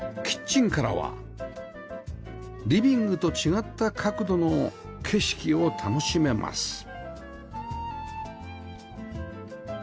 キッチンからはリビングと違った角度の景色を楽しめます